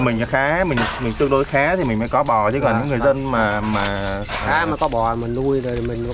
mình khá mình tương đối khá thì mình mới có bò chứ còn người dân mà mà có bò mình nuôi rồi mình có